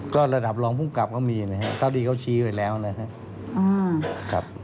ก็ระดับรองภูมิกับก็มีนะครับเท่าที่เขาชี้ไปแล้วนะครับ